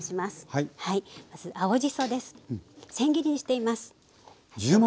まず青じそです。